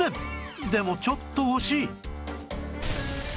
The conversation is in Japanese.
でもちょっと惜しい